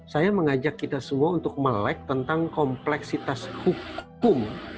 saya mengajak kita semua untuk melek tentang kompleksitas hukum